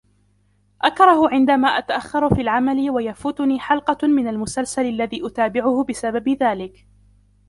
أكره عندما أتأخر في العمل و يفوتني حلقة من المسلسل الذي أتابعه بسبب ذلك.